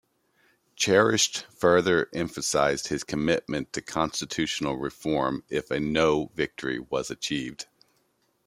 Charest further emphasized his commitment to constitutional reform if a "No" victory was achieved.